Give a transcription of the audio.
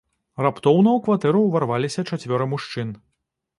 Раптоўна ў кватэру ўварваліся чацвёра мужчын.